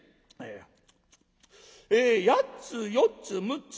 え８つ４つ６つ。